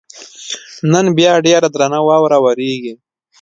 نن بیا ډېره درنه واوره ورېږي.